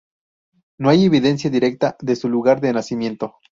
No hay evidencia directa de su lugar de nacimiento.